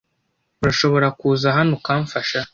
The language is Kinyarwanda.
Urashobora kuza hano ukamfasha?